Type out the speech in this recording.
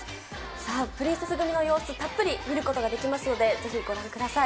さあ、プリンセス組の様子、たっぷり見ることができますので、ぜひご覧ください。